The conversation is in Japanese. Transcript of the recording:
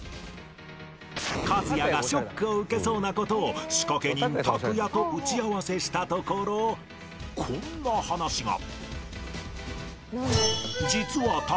かずやがショックを受けそうな事を仕掛け人たくやと打ち合わせしたところこんな話が